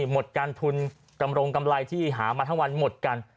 หมดการทุนกำรงกำไรที่หามาทั้งวันหมดกัน